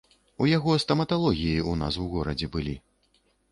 У яго стаматалогіі ў нас у горадзе былі.